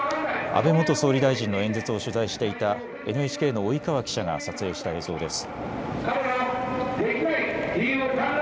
安倍元総理大臣の演説を取材していたＮＨＫの及川記者が撮影した映像です。